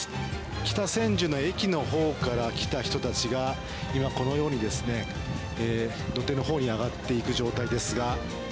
北千住の駅のほうから来た人たちが、今、このように土手のほうに上がっていく状態ですが。